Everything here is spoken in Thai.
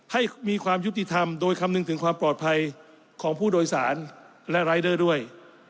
ให้มีความยุติธรรมโดยคำนึงถึงความปลอดภัยของผู้โดยสารและรายเดอร์ด้วย